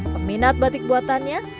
peminat batik buatannya tak pernah suruh